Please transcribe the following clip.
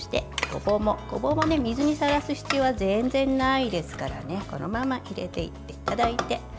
ごぼうも水にさらす必要は全然ないですからねこのまま入れていただいて。